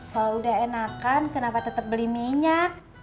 kalau udah enakan kenapa tetap beli minyak